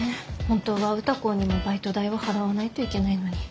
本当は歌子にもバイト代を払わないといけないのに。